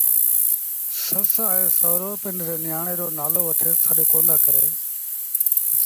سس ائيٚݩ سُورو پنڊري نيٚآڻي رو نآلو وٺي سڏ ڪوندآ ڪريݩ